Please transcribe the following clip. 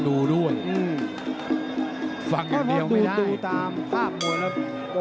โอ้โหแดงโชว์อีกเลยเดี๋ยวดูผู้ดอลก่อน